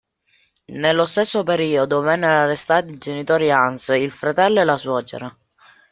Nello stesso periodo vennero arrestati i genitori di Hans, il fratello e la suocera.